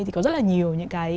thì có rất là nhiều những cái